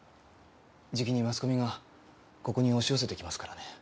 じきにマスコミがここに押し寄せて来ますからね。